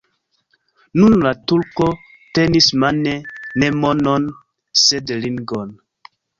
Nun la turko tenis mane ne monon, sed ringon.